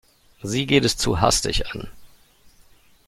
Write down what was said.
Sie geht es zu hastig an.